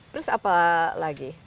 terus apa lagi